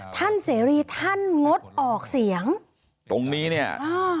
เสรีท่านงดออกเสียงตรงนี้เนี่ยอ่า